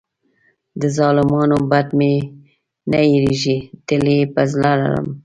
د ظالمانو بد مې نه هېرېږي، تل یې په زړه لرم.